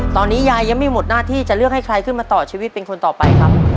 ตอนนี้ยายยังไม่หมดหน้าที่จะเลือกให้ใครขึ้นมาต่อชีวิตเป็นคนต่อไปครับ